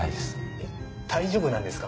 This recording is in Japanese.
えっ大丈夫なんですか？